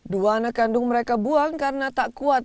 dua anak kandung mereka buang karena tak kuat